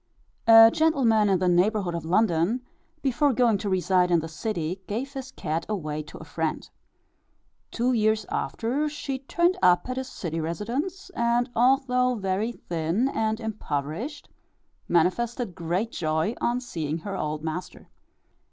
A gentleman in the neighbourhood of London, before going to reside in the city gave his cat away to a friend. Two years after she turned up at his city residence; and although very thin and impoverished, manifested great joy on seeing her old master.